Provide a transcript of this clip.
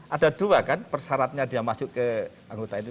ada dua kan persyaratnya dia masuk ke anggota itu